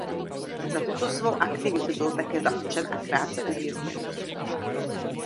Za tuto svou aktivitu byl také zatčen a krátce uvězněn.